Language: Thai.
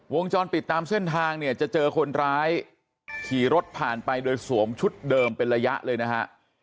วงจรปิดตามเส้นทางเนี่ยจะเจอคนร้ายขี่รถผ่านไปโดยสวมชุดเดิมเป็นระยะเลยนะฮะ